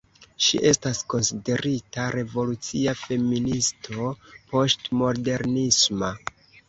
Ŝi estas konsiderita revolucia feministo poŝtmodernisma.